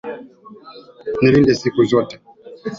Nilinde siku zote.